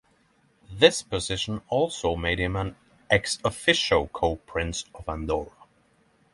This position also made him an "ex officio" Co-Prince of Andorra.